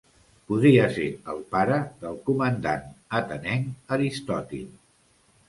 Podria ser el pare del comandant atenenc Aristòtil.